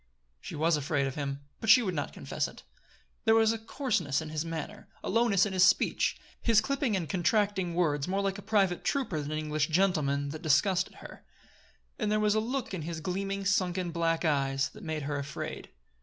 She was afraid of him; but she would not confess it. There was a coarseness in his manner; a lowness in his speech, his clipping and contracting words more like a private trooper than like an English gentleman, that disgusted her; and there was a look in his gleaming, sunken black eyes that made her afraid.